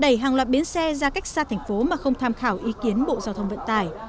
đẩy hàng loạt biến xe ra cách xa thành phố mà không tham khảo ý kiến bộ giao thông vận tải